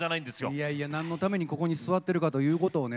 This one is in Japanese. いやいや何のためにここに座ってるかということをね